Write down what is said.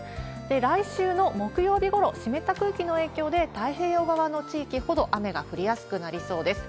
来週の木曜日ごろ、湿った空気の影響で、太平洋側の地域ほど雨が降りやすくなりそうです。